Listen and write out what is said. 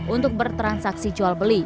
untuk bertransaksi jual beli